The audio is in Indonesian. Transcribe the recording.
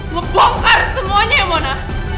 ngebongkar semuanya ya mona